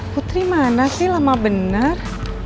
putri mana sih lama benar